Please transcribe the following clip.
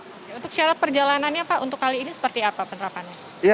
oke untuk syarat perjalanannya pak untuk kali ini seperti apa penerapannya